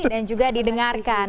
dan juga didengarkan